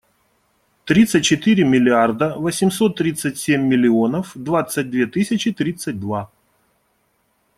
Тридцать четыре миллиарда восемьсот тридцать семь миллионов двадцать две тысячи тридцать два.